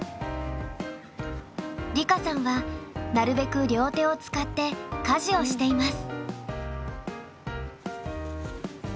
梨花さんはなるべく両手を使って家事をしています。